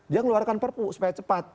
dia ngeluarkan perpu supaya cepat